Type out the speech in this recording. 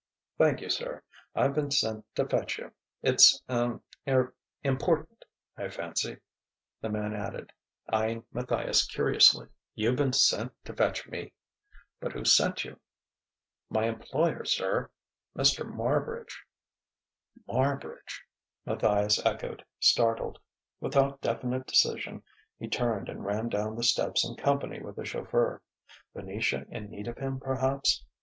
"Thank you, sir. I've been sent to fetch you. It's er important, I fancy," the man added, eyeing Matthias curiously. "You've been sent to fetch me? But who sent you?" "My employer, sir Mr. Marbridge." "Marbridge!" Matthias echoed, startled. Without definite decision, he turned and ran down the steps in company with the chauffeur: Venetia in need of him, perhaps....